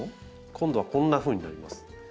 今度はこんなふうになります。